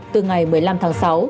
từ ngày một mươi năm tháng sáu